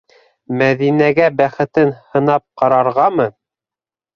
Мәҙинәгә бәхетен һынап ҡарарғамы?